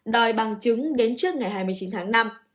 đòi bằng chứng đến trước ngày hai mươi chín tháng năm